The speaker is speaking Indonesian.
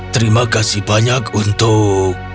terima kasih banyak untuk